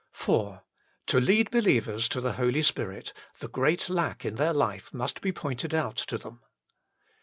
IV To lead believers to the Holy Spirit, the great lack in their life must be pointed out to them.